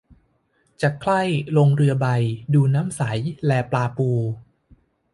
จะใคร่ลงเรือใบ ดูน้ำใสแลปลาปู